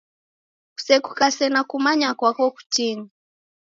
Kusekukase na kumanya kwako kutini!